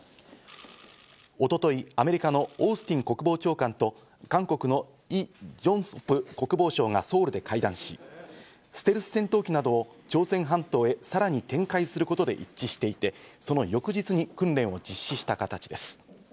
一昨日、アメリカのオースティン国防長官と韓国のイ・ジョンソプ国防相がソウルで会談し、ステルス戦闘機などを朝鮮半島へさらに展開することで一致していて、その翌日に訓練を実施した形です。